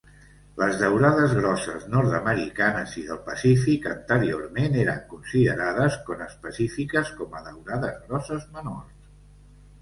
Les daurades grosses nord-americanes i del Pacífic anteriorment eren considerades conespecífiques com a "daurades grosses menors".